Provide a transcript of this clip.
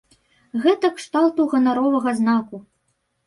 Гэта кшталту ганаровага знаку.